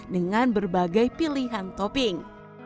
dengan berbagai pilihan topping